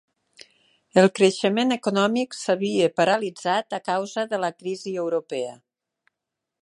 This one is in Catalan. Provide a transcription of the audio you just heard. El creixement econòmic s'havia paralitzat a causa de la crisi europea.